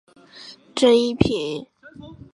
正一品。